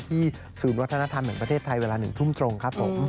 ศูนย์วัฒนธรรมแห่งประเทศไทยเวลา๑ทุ่มตรงครับผม